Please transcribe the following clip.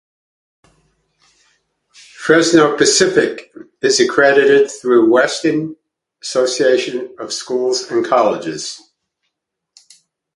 Fresno Pacific is accredited through the Western Association of Schools and Colleges.